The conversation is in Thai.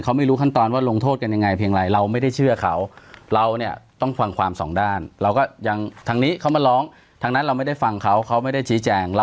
เขาพูดว่าเดี๋ยวเดี๋ยวเขาพูดไม่ได้ไว้ไม่คำหยั่นนะ